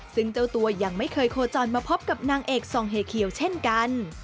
ซึ่งเจ้าตัวยังไม่เคยโคจรมาพบกับนางเอกซองเฮเคียวเช่นกัน